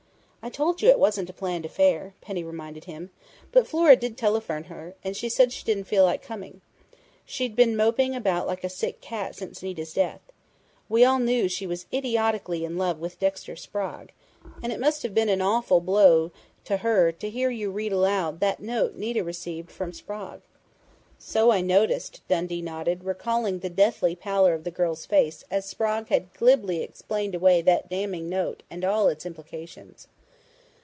"I told you it wasn't a planned affair," Penny reminded him. "But Flora did telephone her, and she said she didn't feel like coming. She's been moping about like a sick cat since Nita's death. We all knew she was idiotically in love with Dexter Sprague, and it must have been an awful blow to her to hear you read aloud that note Nita received from Sprague." "So I noticed," Dundee nodded, recalling the deathly pallor of the girl's face as Sprague had glibly explained away that damning note and all its implications.